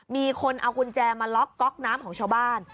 มีคนเอากุญแจมาล็อกก๊อกน้ำของชาวบ้าน